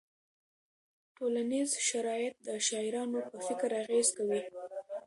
ټولنیز شرایط د شاعرانو په فکر اغېز کوي.